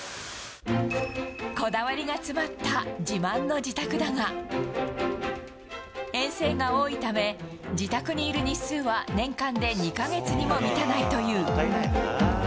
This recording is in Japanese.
こだわりが詰まった自慢の自宅だが、遠征が多いため、自宅にいる日数は年間で２か月にも満たないという。